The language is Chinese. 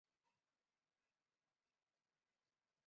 山棕榈为棕榈科棕榈属下的一个种。